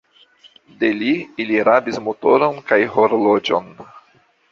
De li, ili rabis motoron kaj horloĝon.